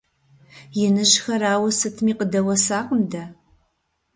Иныжьхэр ауэ сытми къыдэуэсакъым дэ.